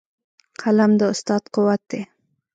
قلم د استاد قوت دی.